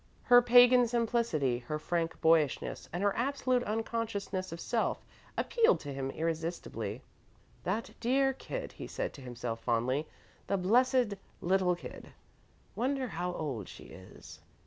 Her pagan simplicity, her frank boyishness, and her absolute unconsciousness of self, appealed to him irresistibly. "The dear kid," he said to himself, fondly; "the blessed little kid! Wonder how old she is!"